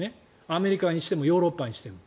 アメリカにしてもヨーロッパにしても。